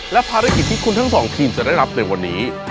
และภารกิจที่คุณทั้งสองทีมจะได้รับในวันนี้